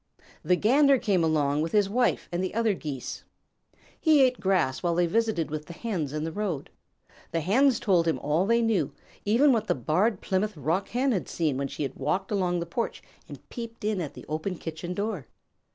The Gander came along with his wife and the other Geese. He ate grass while they visited with the Hens in the road. The Hens told him all they knew, even what the Barred Plymouth Rock Hen had seen when she walked along the porch and peeped in at the open kitchen door.